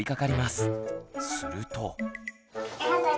すると。